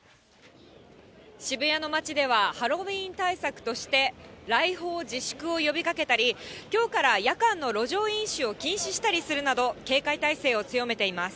渋谷の街では、ハロウィーン対策として、来訪自粛を呼びかけたり、きょうから夜間の路上飲酒を禁止したりするなど、警戒態勢を強めています。